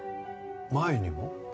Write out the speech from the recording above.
前にも？